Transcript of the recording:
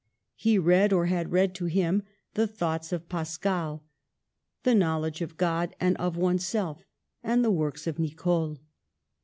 He read, or had read to him, the Thoughts of Pascal, The Knowledge of God and of Oneself, and the Works of Nicole.